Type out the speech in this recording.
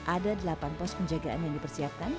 ada delapan pos penjagaan yang dipersiapkan